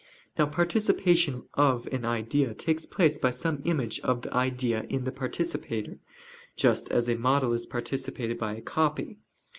Now participation of an idea takes place by some image of the idea in the participator, just as a model is participated by a copy.